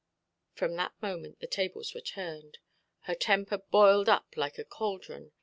From that moment the tables were turned. Her temper boiled up like a cauldron.